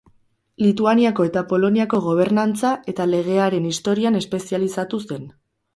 Lituaniako eta Poloniako gobernantza eta legearen historian espezializatu zen.